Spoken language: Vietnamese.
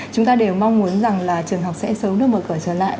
chúng ta đều mong muốn rằng là trường học sẽ sớm được mở cửa trở lại